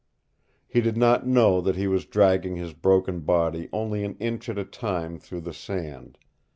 He did not know that he was dragging his broken body only an inch at a time through the sand.